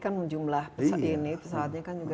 kan jumlah pesawat ini